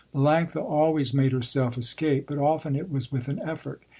Melanctha always made herself escape but often it was with an effort.